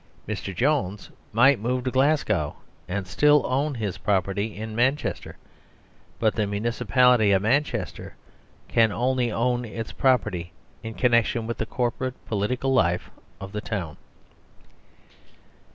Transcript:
Mr Jones might move to Glasgow and still own his property in Manchester, but the municipality of Manchester can only own its property in connection with the corporate political life of the town.